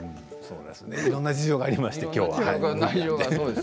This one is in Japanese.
いろいろな事情がありまして、きょうは。